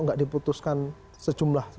nggak diputuskan sejumlah